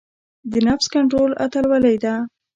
د نفس کنټرول اتلولۍ ده.